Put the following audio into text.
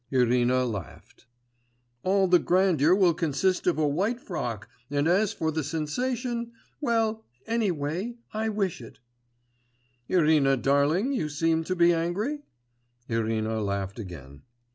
Irina laughed. 'All the grandeur will consist of a white frock, and as for the sensation.... Well, any way, I wish it.' 'Irina, darling, you seem to be angry?' Irina laughed again.